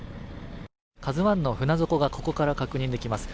「ＫＡＺＵⅠ」の船底がここから確認できます。